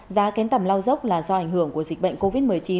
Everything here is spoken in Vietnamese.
giá kén tầm lao dốc là do ảnh hưởng của dịch bệnh covid một mươi chín